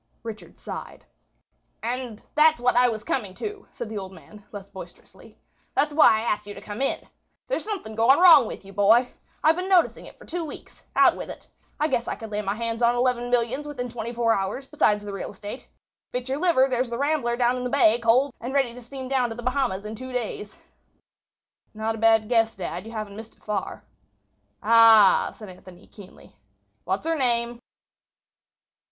Richard sighed. "And that's what I was coming to," said the old man, less boisterously. "That's why I asked you to come in. There's something going wrong with you, boy. I've been noticing it for two weeks. Out with it. I guess I could lay my hands on eleven millions within twenty four hours, besides the real estate. If it's your liver, there's the Rambler down in the bay, coaled, and ready to steam down to the Bahamas in two days." "Not a bad guess, dad; you haven't missed it far." "Ah," said Anthony, keenly; "what's her name?"